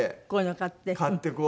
こういうのを買って。